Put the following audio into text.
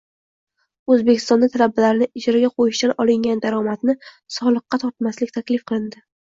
O‘zbekistonda talabalarni ijaraga qo‘yishdan olingan daromadni soliqqa tortmaslik taklif qilindi